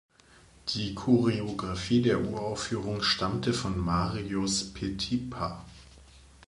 Die Choreographie der Uraufführung stammte von Marius Petipa.